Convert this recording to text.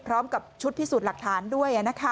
พร้อมกับชุดที่สูตรหลักฐานด้วย